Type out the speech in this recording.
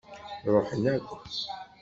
Ṛuḥen akk.